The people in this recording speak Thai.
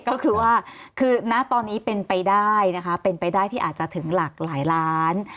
ก็คือว่าคือณตอนนี้เป็นไปได้นะคะเป็นไปได้ที่อาจจะถึงหลากหลายล้าน